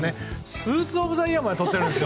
スーツ・オブ・ザ・イヤーまでとってるんですよ。